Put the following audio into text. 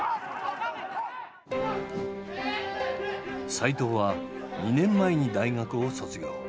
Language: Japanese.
齋藤は２年前に大学を卒業。